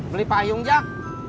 beli payung jak